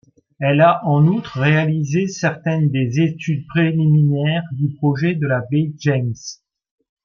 Elle a en outre réalisé certaines des études préliminaires du projet de la Baie-James.